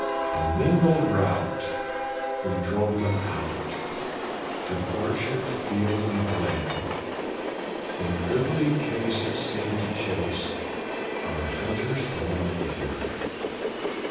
A mingled rout, we drove them out From orchard, field, and glen; In goodly case it seemed to chase Our hunters home again!